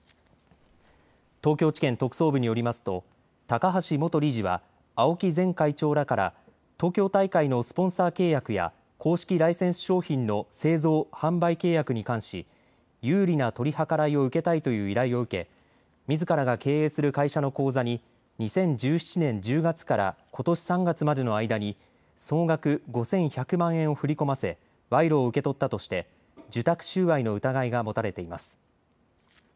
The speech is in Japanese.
東京地検特捜部によりますと高橋元理事は青木前会長らから東京大会のスポンサー契約や公式ライセンス商品の製造・販売契約に関し有利な取り計らいを受けたいという依頼を受けみずからが経営する会社の口座に２０１７年１０月からことし３月までの間に総額５１００万円を振り込ませ賄賂を受け取ったとして受託収賄の疑いが持たれています。